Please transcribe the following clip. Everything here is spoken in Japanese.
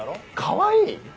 かわいい？